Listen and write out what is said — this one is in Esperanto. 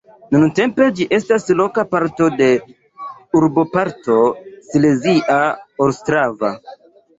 Nuntempe ĝi estas loka parto de urboparto Silezia Ostrava.